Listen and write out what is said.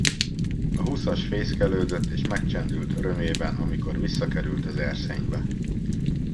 A húszas fészkelődött, és megcsendült örömében, amikor visszakerült az erszénybe.